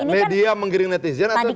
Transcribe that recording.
media menggiring netizen atau